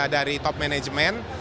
dari top manajemen